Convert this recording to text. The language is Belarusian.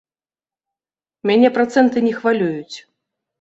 Мяне працэнты не хвалююць.